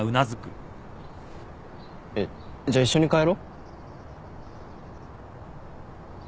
えっじゃあ一緒に帰ろ？